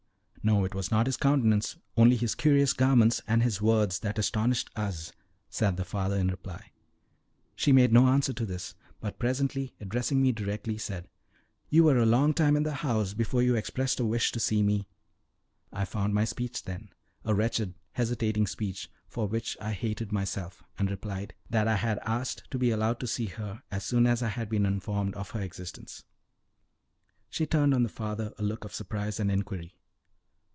"No; it was not his countenance, only his curious garments and his words that astonished us," said the father in reply. She made no answer to this, but presently, addressing me directly, said: "You were a long time in the house before you expressed a wish to see me." I found my speech then a wretched, hesitating speech, for which I hated myself and replied, that I had asked to be allowed to see her as soon as I had been informed of her existence. She turned on the father a look of surprise and inquiry.